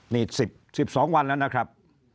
นี่๑๒วันแล้วนะครับ